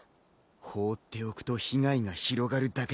放っておくと被害が広がるだけだ。